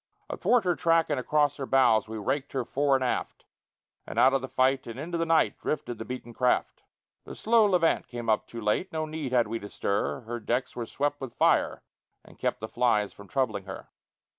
Athwart her track and across her bows We raked her fore and aft, And out of the fight and into the night Drifted the beaten craft. The slow Levant came up too late; No need had we to stir; Her decks we swept with fire, and kept The flies from troubling her.